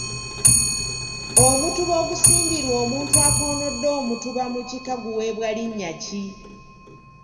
Omutuba ogusimbirwa omuntu akoonodde omutuba mu kika guweebwa linnya ki?